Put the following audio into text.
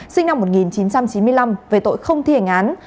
sinh năm một nghìn chín trăm chín mươi năm về tội không thi hành án